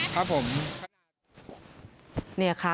แต่น้าทีมาช่วยอย่างลื่นเลยใช่ไหมครับครับผม